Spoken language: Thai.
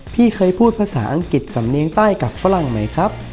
พี่เคยพูดภาษาอังกฤษสำเนียงใต้กับฝรั่งไหมครับ